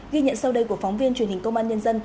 ghi nhận sau đây của phóng viên truyền hình công an nhân dân